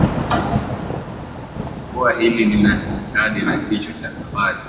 qua hili linajinadi na kichwa cha habari